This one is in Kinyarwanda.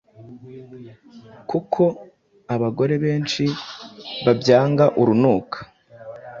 kuko abagore benshi babyanga urunuka.